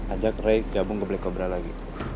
ajak ray gabung ke black cobra lagi